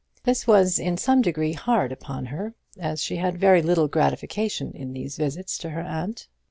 This was in some degree hard upon her, as she had very little gratification in these visits to her aunt.